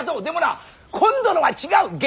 でもな今度のは違う。